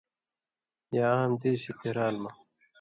یا عام دیس یی تے رال مہ